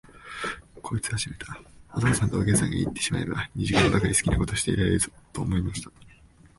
こいつはしめた、お父さんとお母さんがいってしまえば、二時間ばかりは好きなことがしていられるぞ、と思いました。